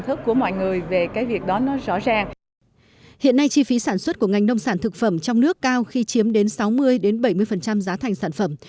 hiện nay chi phí sản xuất của ngành nông sản thực phẩm trong nước cao khi chiếm đến sáu mươi bảy mươi giá thành sản phẩm